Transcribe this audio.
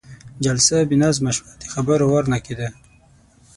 جلسه بې نظمه شوه، د خبرو وار نه کېده.